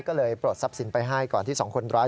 ก็เลยปลดทรัพย์สินไปให้ก่อนที่สองคนร้าย